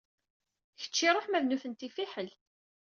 Kečč ṛuḥ ma d nutenti fiḥel.